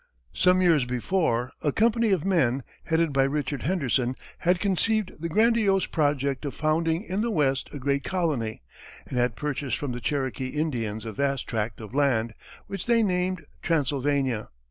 Some years before, a company of men headed by Richard Henderson, had conceived the grandiose project of founding in the west a great colony, and had purchased from the Cherokee Indians a vast tract of land, which they named Transylvania.